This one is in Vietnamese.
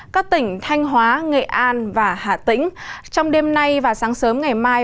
các tỉnh thanh hóa nghệ an và hà tĩnh trong đêm nay và sáng sớm ngày mai